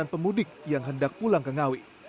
pemudik yang hendak pulang ke ngawi